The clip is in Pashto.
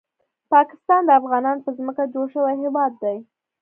پاکستان د افغانانو په ځمکه جوړ شوی هیواد دی